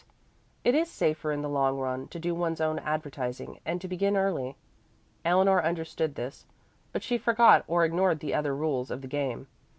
And it is safer in the long run to do one's own advertising and to begin early. Eleanor understood this, but she forgot or ignored the other rules of the game.